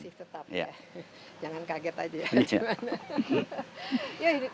masih tetap ya jangan kaget aja